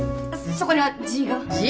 そこにはＧがＧ？